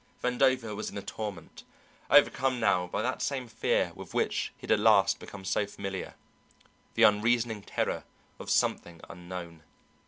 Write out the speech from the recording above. Vandover was in a torment, overcome now by that same fear with which he had at last become so familiar, the unreasoning terror of something unknown.